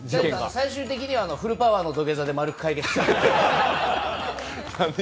最終的にはフルパワーの土下座で丸く解決しました。